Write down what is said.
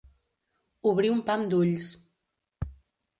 Obrir un pam d'ulls.